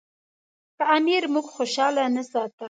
که امیر موږ خوشاله نه ساتي.